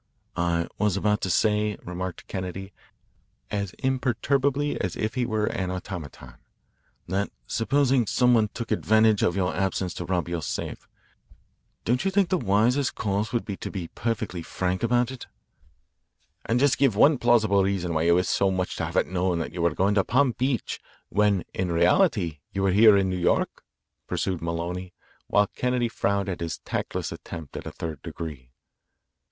"I was about to say," remarked Kennedy as imperturbably as if he were an automaton, "that supposing some one took advantage of your absence to rob your safe, don't you think the wisest course would be to be perfectly frank about it?" "And give just one plausible reason why you wished so much to have it known that you were going to Palm Beach when in reality you were in New York?" pursued Maloney, while Kennedy frowned at his tactless attempt at a third degree.